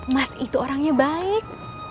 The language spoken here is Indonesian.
mas itu orangnya baik